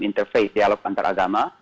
interface dialog antaragama